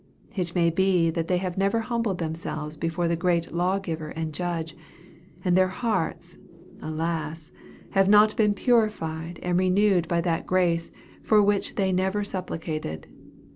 It may be that they have never humbled themselves before the great Lawgiver and Judge, and their hearts, alas! have not been purified and renewed by that grace for which they never supplicated.